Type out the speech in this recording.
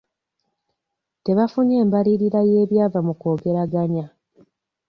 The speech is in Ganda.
Tebafunye mbalirira y'ebyava mu kwogeraganya.